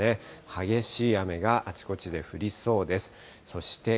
激しい雨があちこちで降りそうです。